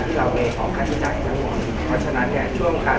เกี่ยวกับความควบคุมในการควบคุม